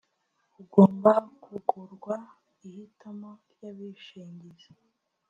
bugomba kugurwa ihitamo ry abishingizi